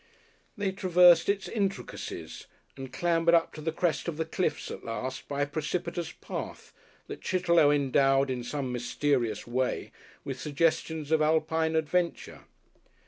They traversed its intricacies and clambered up to the crest of the cliffs at last by a precipitous path that Chitterlow endowed in some mysterious way with suggestions of Alpine adventure.